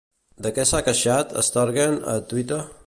De què s'ha queixat Sturgeon a Twitter?